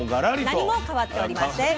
何も変わっておりません。